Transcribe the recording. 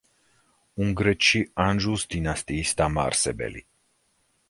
უნგრეთში ანჟუს დინასტიის დამაარსებელი.